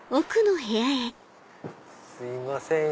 すいません。